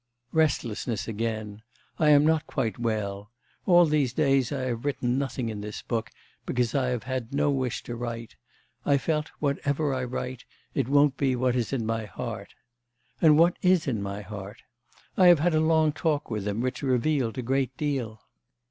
'... Restlessness again... I am not quite well.... All these days I have written nothing in this book, because I have had no wish to write. I felt, whatever I write, it won't be what is in my heart. ... And what is in my heart? I have had a long talk with him, which revealed a great deal.